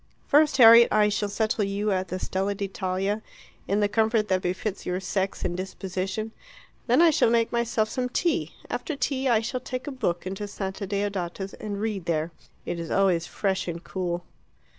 "First, Harriet, I shall settle you at the Stella d'Italia, in the comfort that befits your sex and disposition. Then I shall make myself some tea. After tea I shall take a book into Santa Deodata's, and read there. It is always fresh and cool."